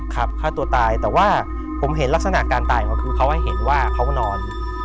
ฆ่าตัวตายแต่ว่าผมเห็นลักษณะการตายของเขาคือเขาให้เห็นว่าเขานอน